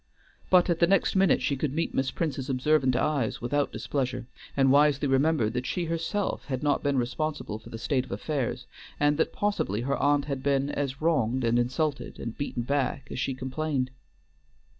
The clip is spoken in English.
But at the next minute she could meet Miss Prince's observant eyes without displeasure, and wisely remembered that she herself had not been responsible for the state of affairs, and that possibly her aunt had been as wronged and insulted and beaten back as she complained.